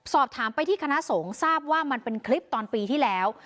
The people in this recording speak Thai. สอบถามไปที่คณะสงฆ์ทราบว่ามันเป็นคลิปตอนปีที่แล้ว